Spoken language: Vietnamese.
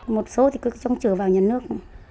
một số thì cứ trông chờ vào nhà nước